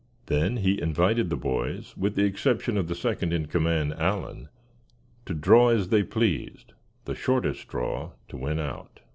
Then he invited the boys with the exception of the second in command, Allan, to draw as they pleased, the shortest straw to win out.